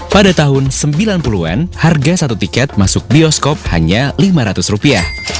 pada tahun sembilan puluh an harga satu tiket masuk bioskop hanya lima ratus rupiah